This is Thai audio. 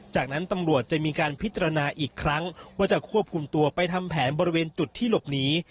จากนั้นตำรวจจะมีการพิจารณาอีกครั้งว่าจะควบคุมตัวไปทำแผนบริเวณจุดที่หลบหนี